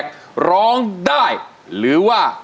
ขอบคุณครับ